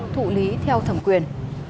thụ lý theo thẩm quyền